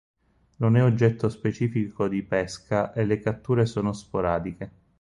Non è oggetto specifico di pesca e le catture sono sporadiche.